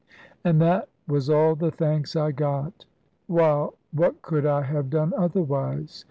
And that was all the thanks I got! While, what could I have done otherwise?